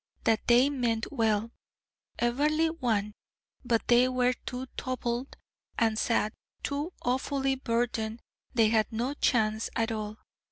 that they meant well everly one. But they were too tloubled and sad, too awfully burdened: they had no chance at all.